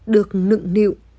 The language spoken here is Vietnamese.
được nựng nịu